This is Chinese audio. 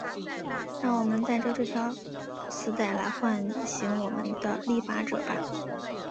让我们戴着这丝带来唤醒我们的立法者吧。